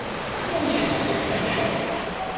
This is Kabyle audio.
Ini-as ad yeqqim cwiṭ.